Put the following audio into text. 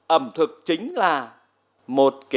ẩm thực chính là một cái